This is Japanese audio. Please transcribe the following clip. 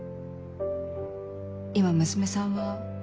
今娘さんは？